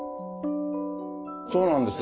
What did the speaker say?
そうなんです。